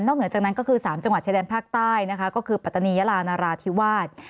เหนือจากนั้นก็คือ๓จังหวัดชายแดนภาคใต้นะคะก็คือปัตตานียาลานราธิวาส